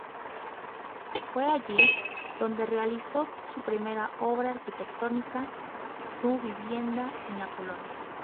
Fue allí donde realizó su primera obra arquitectónica: su vivienda en la Colonia.